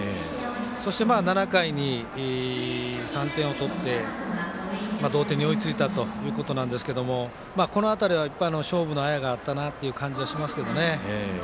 そして、７回に３点を取って同点に追いついたということなんですけどこの辺りは、勝負のあやがあったなっていう感じがしますね。